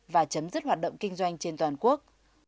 và chấm dứt hoạt động kinh doanh trên toàn quốc